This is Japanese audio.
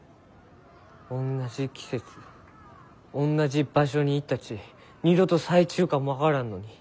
おんなじ季節おんなじ場所に行ったち二度と咲いちゅうかも分からんのに。